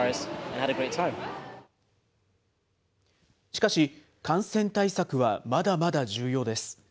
しかし、感染対策はまだまだ重要です。